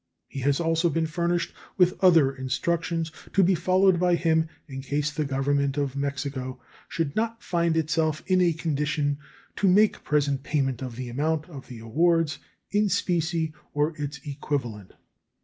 He has also been furnished with other instructions, to be followed by him in case the Government of Mexico should not find itself in a condition to make present payment of the amount of the awards in specie or its equivalent.